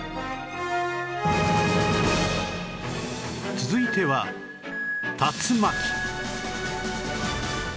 続いては竜巻